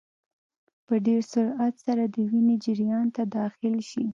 په ډېر سرعت سره د وینې جریان ته داخل شي.